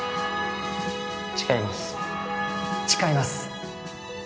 誓います誓います